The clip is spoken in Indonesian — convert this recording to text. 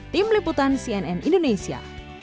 tim liputan cnn indonesia